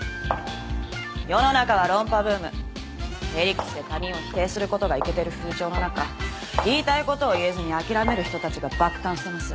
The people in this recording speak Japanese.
世の中は論破ブーム。へりくつで他人を否定する事がイケてる風潮の中言いたい事を言えずに諦める人たちが爆誕してます。